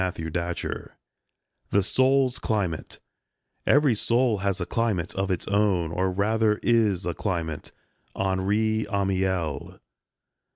THE SOULS CLIMATE 55 THE SOUL'S CLIMATE " Every soul has a climate of its own, or rather is a climate. HENRI AMIEL.